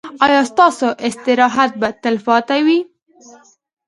ایا ستاسو استراحت به تلپاتې وي؟